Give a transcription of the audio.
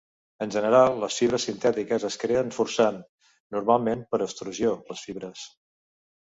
En general les fibres sintètiques es creen forçant, normalment per extrusió les fibres.